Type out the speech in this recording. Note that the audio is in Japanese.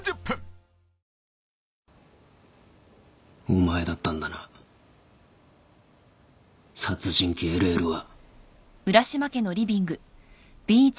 お前だったんだな殺人鬼・ＬＬは。